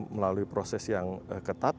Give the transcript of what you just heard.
melalui proses yang ketat